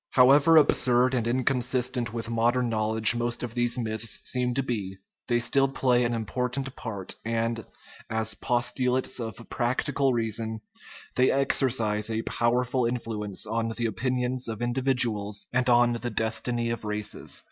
However absurd and inconsistent with modern knowledge most of these myths seem to be, they still play an important part, and, as " postulates of practical reason/' they exercise a powerful influence on the opinions of individuals and on the destiny of races.